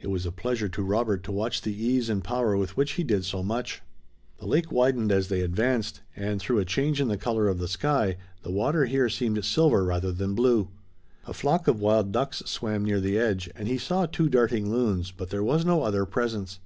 It was a pleasure to Robert to watch the ease and power with which he did so much. The lake widened as they advanced, and through a change in the color of the sky the water here seemed silver rather than blue. A flock of wild ducks swam near the edge and he saw two darting loons, but there was no other presence.